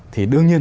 thì đương nhiên